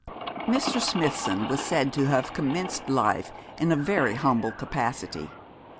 Mr. Smithson was said to have commenced life in a very humble capacity.